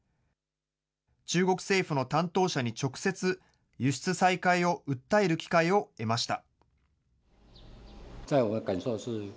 中国政府の担当者に直接、輸出再開を訴える機会を得ました。